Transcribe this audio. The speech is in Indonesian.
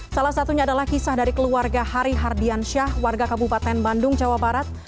salah satunya adalah kisah dari keluarga hari hardiansyah warga kabupaten bandung jawa barat